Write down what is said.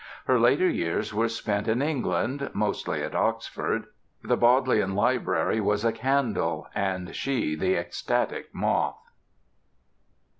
Her later years were spent in England, mostly at Oxford: the Bodleian Library was a candle and she the ecstatic moth.